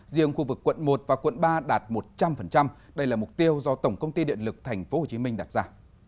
riêng khu vực quận một và quận ba đạt một trăm linh đây là mục tiêu do tổng công ty điện lực tp hcm đặt ra